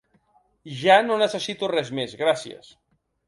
Ja no necessito res més, gràcies.